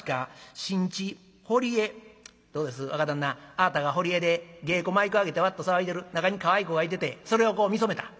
あぁたが堀江で芸妓舞妓あげてわっと騒いでる中にかわいい子がいててそれをこう見初めた。ね？